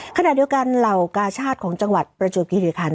ขนาดเดียวกันเหลากาชาติของจังหวัดประจวบกิริษฐภัณฑ์